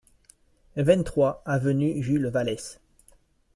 vingt-trois avenue Jules Valles